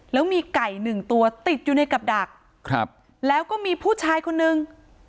แล้วมีไก่หนึ่งตัวติดอยู่ในกับดักครับแล้วก็มีผู้ชายคนนึง